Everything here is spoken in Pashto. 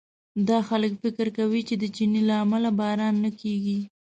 دا خلک فکر کوي چې د چیني له امله باران نه کېږي.